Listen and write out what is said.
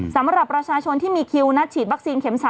สำหรับประชาชนที่มีคิวนัดฉีดวัคซีนเข็ม๓